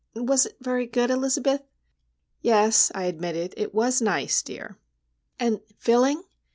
Was it very good, Elizabeth?" "Yes," I admitted. "It was nice, dear." "And filling?"